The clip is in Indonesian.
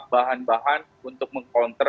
bahan bahan untuk meng counter